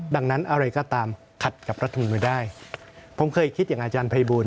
ดังนั้นอะไรก็ตามขัดกับรัฐมนูลไม่ได้ผมเคยคิดอย่างอาจารย์ภัยบูล